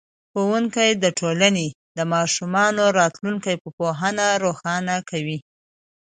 ښوونکی د ټولنې د ماشومانو راتلونکی په پوهه روښانه کوي.